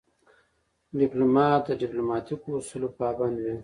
ډيپلومات د ډیپلوماتیکو اصولو پابند وي.